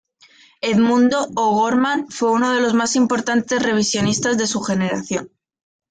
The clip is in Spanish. Edmundo O'Gorman fue uno de los más importantes revisionistas de su generación.